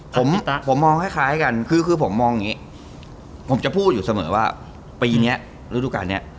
ผมผมมองคล้ายกันคือคือผมมองอย่างนี้ผมจะพูดอยู่เสมอว่าปีนี้ฤดูการเนี้ย